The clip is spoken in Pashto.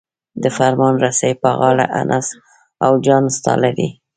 د فرمان رسۍ په غاړه انس او جان ستا لري.